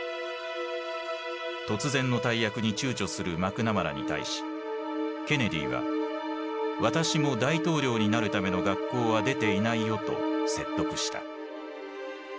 突然の大役に躊躇するマクナマラに対しケネディは「私も大統領になるための学校は出ていないよ」と説得した。